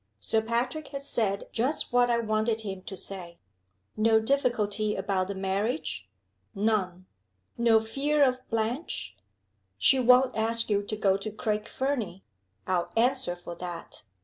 "Sir Patrick has said just what I wanted him to say." "No difficulty about the marriage?" "None." "No fear of Blanche " "She won't ask you to go to Craig Fernie I'll answer for that!"